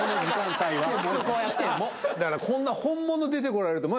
世こんな本物出てこられると。